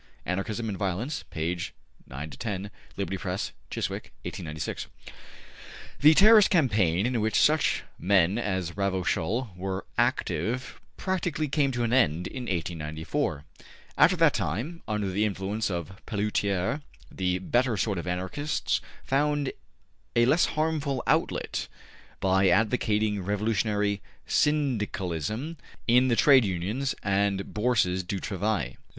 '' (``Anarchism and Violence,'' pp. 9 10. Liberty Press, Chiswick, 1896.) The terrorist campaign in which such men as Ravachol were active practically came to an end in 1894. After that time, under the influence of Pelloutier, the better sort of Anarchists found a less harmful outlet by advocating Revolutionary Syndicalism in the Trade Unions and Bourses du Travail.